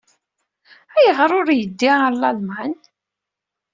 Ayɣer ur yeddi ɣer Lalman?